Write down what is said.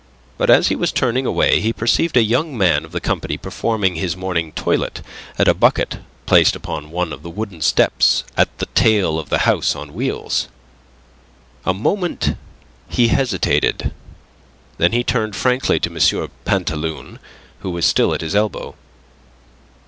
But as he was turning away he perceived a young man of the company performing his morning toilet at a bucket placed upon one of the wooden steps at the tail of the house on wheels. A moment he hesitated, then he turned frankly to M. Pantaloon, who was still at his elbow.